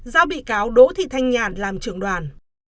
do bị cáo đỗ thị thanh nhàn làm trưởng đoàn